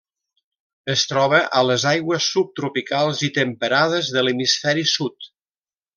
Es troba a les aigües subtropicals i temperades de l'hemisferi sud.